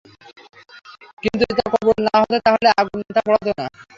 কিন্তু যদি তা কবুল না হত তাহলে আগুন তা পোড়াত না।